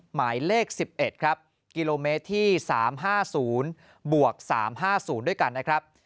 หมายเลข๑๑ครับกิโลเมตรที่๓๕๐บวก๓๕๐ด้วยกันนะครับ